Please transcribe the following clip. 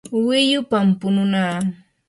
wiyupam pununaa.